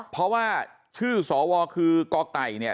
เพราะว่าชื่อสวคือกไก่เนี่ย